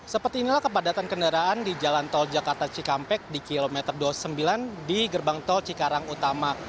seperti inilah kepadatan kendaraan di jalan tol jakarta cikampek di kilometer dua puluh sembilan di gerbang tol cikarang utama